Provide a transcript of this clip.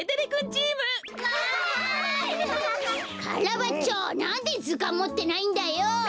カラバッチョなんでずかんもってないんだよ？